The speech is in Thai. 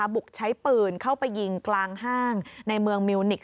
บุกใช้ปืนเข้าไปยิงกลางห้างในเมืองมิวนิกส